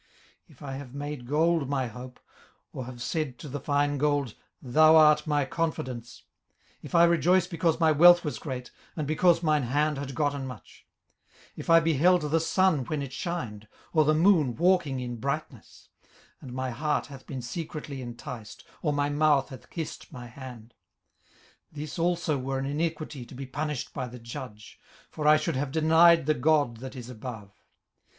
18:031:024 If I have made gold my hope, or have said to the fine gold, Thou art my confidence; 18:031:025 If I rejoice because my wealth was great, and because mine hand had gotten much; 18:031:026 If I beheld the sun when it shined, or the moon walking in brightness; 18:031:027 And my heart hath been secretly enticed, or my mouth hath kissed my hand: 18:031:028 This also were an iniquity to be punished by the judge: for I should have denied the God that is above.